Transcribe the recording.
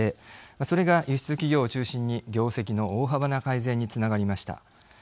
それが、輸出企業を中心に業績の大幅な改善につながりました。